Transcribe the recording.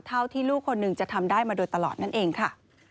เท่าที่ลูกคนหนึ่งจะทำได้มาโดยตลอดนั่นเองค่ะ